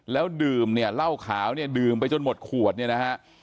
แล้วดื่มเนี่ยเหล้าขาวเนี่ยดื่มไปจนหมดขวดเนี่ยนะฮะ